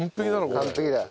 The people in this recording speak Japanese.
完璧だよ。